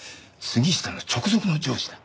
杉下の直属の上司だ。